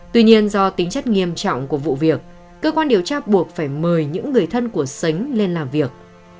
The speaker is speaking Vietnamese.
tuy nhiên do tính chất nghiêm trọng của vụ việc cơ quan điều tra buộc phải mời những người thân của sánh lên làm việc